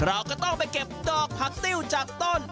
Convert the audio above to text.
เราก็ต้องไปเก็บดอกผักติ้วจากต้น